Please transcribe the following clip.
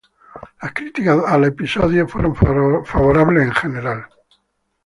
Las críticas al episodio fueron favorables en general.